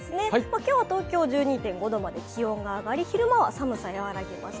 今日は東京１２．５度まで気温が上がり昼間は寒さ和らぎました。